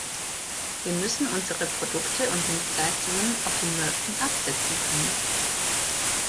Wir müssen unsere Produkte und Dienstleistungen auf den Märkten absetzen können.